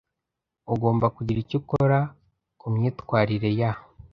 Ugomba kugira icyo ukora ku myitwarire ya